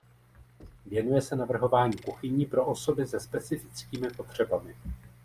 Věnuje se navrhování kuchyní pro osoby se specifickými potřebami.